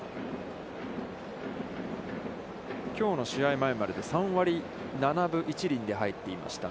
きょうの試合前までで、３割７分１厘で入っていました